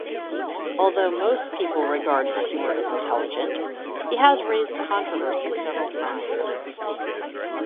Although most people regard his humor as intelligent, he has raised controversy several times.